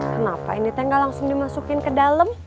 kenapa ini tenggal langsung dimasukin ke dalam